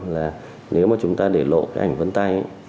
là nếu mà chúng ta để lộ cái ảnh vân tay ấy